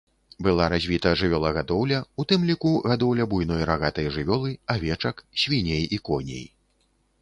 Была развіта жывёлагадоўля, у тым ліку гадоўля буйной рагатай жывёлы, авечак, свіней і коней.